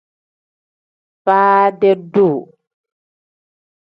Faadi-duu.